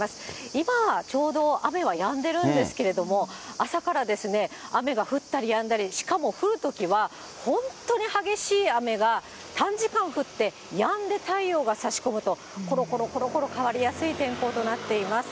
今ちょうど雨はやんでるんですけれども、朝から雨が降ったりやんだり、しかも降るときは本当に激しい雨が、短時間降って、やんで太陽が差し込むと、ころころころころ変わりやすい天候となっています。